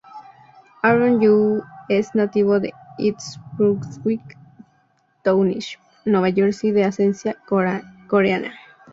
Aaron Yoo es nativo de East Brunswick Township, Nueva Jersey de ascendencia coreana.